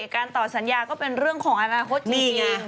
การต่อสัญญาก็เป็นเรื่องของอนาคตดีไง